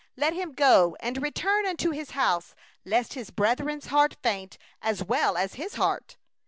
let him go and return unto his house, lest his brethren's heart melt as his heart.